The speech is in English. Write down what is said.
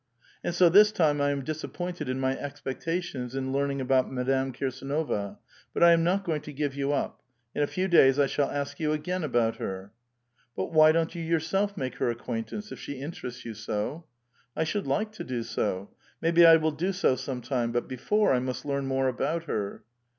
And so this time I am disappointed in my expectations in learning about Madame Kirsdnova ; bnt I am not going to give you up ; in a few days I shall ask you again about her." "But why don't you yourself make her acquaintance, if she interests you so ?"I sliould like to do so : maybe I will do so some time. But before, I must learn more about her."